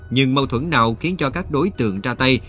nhưng mâu thuẫn nào khiến cho các đối tượng ra tay